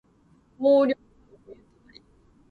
荒涼たる冬となり